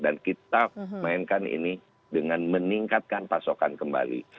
dan kita mainkan ini dengan meningkatkan pasokan kembali